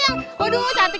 aduh cantik cantik